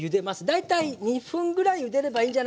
大体２分ぐらいゆでればいいんじゃないかな。